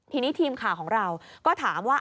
ทีนี้ทีมข่าวของเราก็ถามว่า